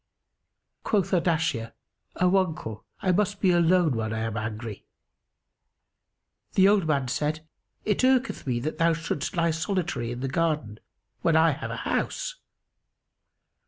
Quoth Ardashir, "O uncle, I must be alone when I am angry."[FN#281] The old man said, "It irketh me that thou shouldst lie solitary in the garden, when I have a house."